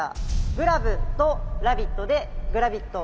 グラブとラビットでグラビット。